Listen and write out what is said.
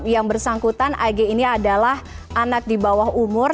yang bersangkutan ag ini adalah anak di bawah umur